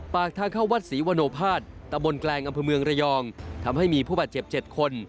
ปากทางเข้าวัดศรีวโนภาษตะบนแกลงอำเภอเมืองระยองทำให้มีผู้บาดเจ็บ๗คน